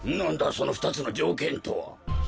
その２つの条件とは。